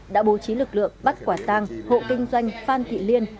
đã bố trí lực lượng bắt quả tang hộ kinh doanh phan thị liên